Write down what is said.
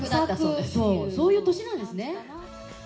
そういう年なんですね。